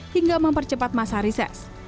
hingga mempercepat masa riset